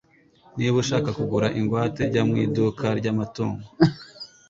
Niba ushaka kugura ingwate jya mu iduka ryamatungo